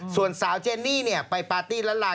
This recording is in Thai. ส่วนสาวเจนนี่ไปปาร์ตี้ละลาย